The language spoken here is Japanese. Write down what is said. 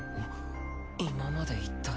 今までいったい。